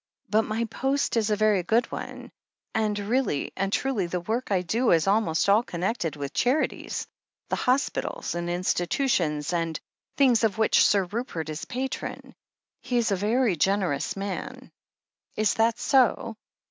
But my post is a very good one, and really and truly the work I do is almost all connected with charities — the hospitals, and institutions and things of which Sir Rupert is patron. He is a very generous man." "Is that so?